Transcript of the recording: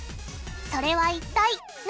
それは一体何？